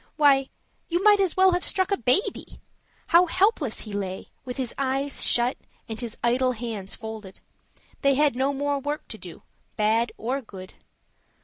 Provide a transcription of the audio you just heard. Why, you might as well have struck a baby! How helpless he lay, with his eyes shut, and his idle hands folded: they had no more work to do, bad or good.